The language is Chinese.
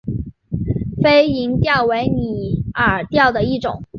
飞蝇钓为拟饵钓的一种。